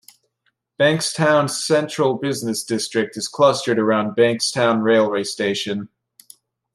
Bankstown's central business district is clustered around Bankstown railway station.